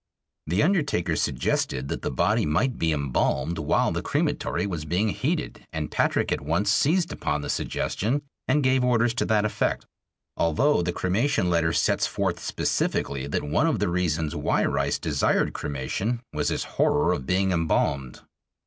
The undertaker suggested that the body might be embalmed while the crematory was being heated, and Patrick at once seized upon the suggestion and gave orders to that effect, although the cremation letter sets forth specifically that one of the reasons why Rice desired cremation was his horror of being embalmed.